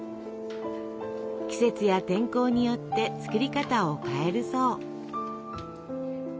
季節や天候によって作り方を変えるそう。